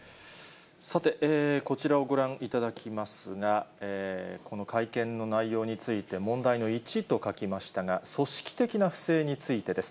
さて、こちらをご覧いただきますが、この会見の内容について、問題の１と書きましたが、組織的な不正についてです。